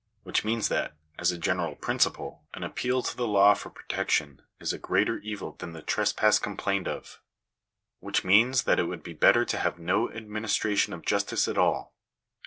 Which means that, as a general principle, an appeal to the law for protection is a greater evil than the trespass complained of. Which means that it would be better to have no administration of justice at all